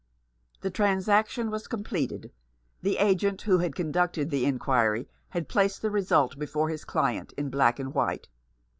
The transaction was completed. The agent who had conducted the inquiry had placed the result before his client in black and white.